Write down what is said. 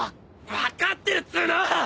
分かってるっつうの！